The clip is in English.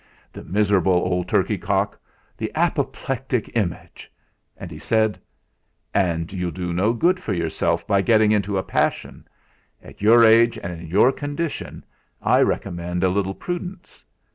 The miserable old turkey cock the apoplectic image! And he said: "And you'll do no good for yourself by getting into a passion. At your age, and in your condition, I recommend a little prudence.